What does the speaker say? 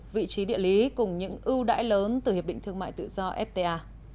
vị trí địa lý cùng những ưu đãi lớn từ hiệp định thương mại tự do fta